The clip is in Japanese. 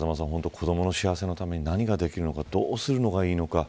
子どもの幸せのために何ができるのか、どうするのがいいのか。